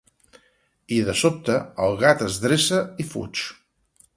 I de sobte, el gat es dreça i fuig.